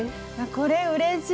これうれしい！